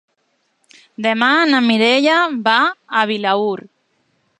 Demà na Mireia va a Vilaür.